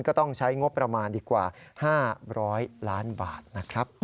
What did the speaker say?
ก็ต้องใช้งบประมาณดีกว่า๕๐๐ล้านบาทนะครับ